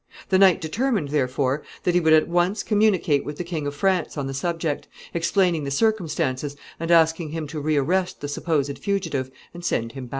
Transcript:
The knight determined, therefore, that he would at once communicate with the King of France on the subject, explaining the circumstances, and asking him to rearrest the supposed fugitive and send him back.